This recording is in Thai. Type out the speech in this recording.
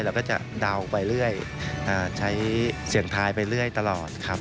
เราก็จะเดาไปเรื่อยใช้เสียงทายไปเรื่อยตลอดครับ